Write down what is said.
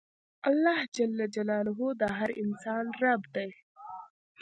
اللهﷻ د هر انسان رب دی.